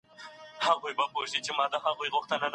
که هدفونه یو شان نه وي، ژوند به اسانه نسي.